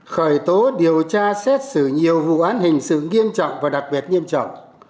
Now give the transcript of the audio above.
khởi tố điều tra xét xử nhiều vụ án hình sự nghiêm trọng và đặc biệt nghiêm trọng